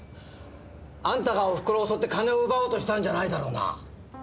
あんたがおふくろを襲って金を奪おうとしたんじゃないだろうな？